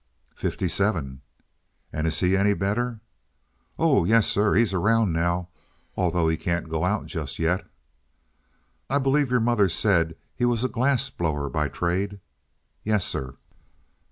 "Fifty seven." "And is he any better?" "Oh yes, sir; he's around now, although he can't go out just yet." "I believe your mother said he was a glass blower by trade?" "Yes, sir."